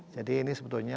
jadi ini sebetulnya